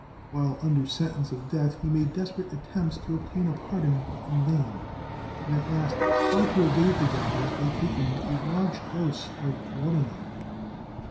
While under sentence of death he made desperate attempts to obtain a pardon, but in vain, and at last tried to evade the gallows by taking a large dose of laudanum.